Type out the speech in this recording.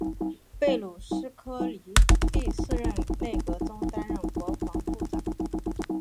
在贝鲁斯柯尼第四任内阁中担任国防部长。